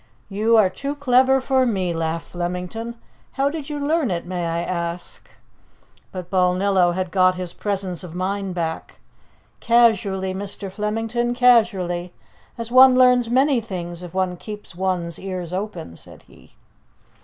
"You are too clever for me!" laughed Flemington. "How did you learn it, may I ask?" But Balnillo had got his presence of mind back. "Casually, Mr. Flemington, casually as one learns many things, if one keeps one's ears open," said he.